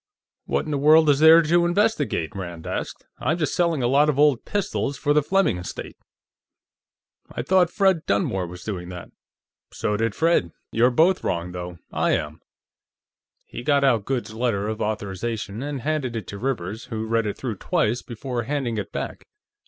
"What in the world is there to investigate?" Rand asked. "I'm just selling a lot of old pistols for the Fleming estate." "I thought Fred Dunmore was doing that." "So did Fred. You're both wrong, though. I am." He got out Goode's letter of authorization and handed it to Rivers, who read it through twice before handing it back.